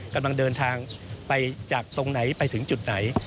กำลังเดินทางไปจากตรงไหนไปถึงจุดไหน